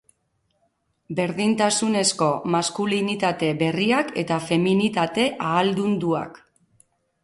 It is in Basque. Berdintasunezko maskulinitate berriak eta feminitate ahaldunduak.